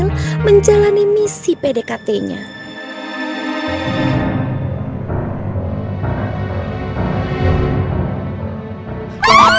sebentar lagi pasti senternya mati